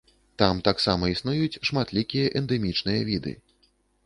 Там таксама існуюць шматлікія эндэмічныя віды.